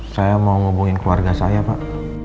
saya mau hubungin keluarga saya pak